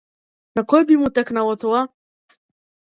На кој би му текнало тоа?